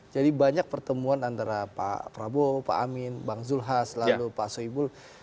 jadi banyak pertemuan antara pak prabowo pak amin bang zulhas lalu pak soebul